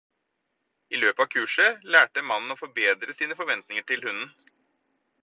I løpet av kurset lærte mannen å forbedre sine forventninger til hunden.